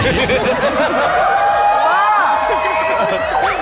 บ้า